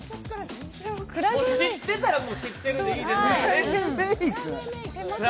知ってたら知ってるでいいですから。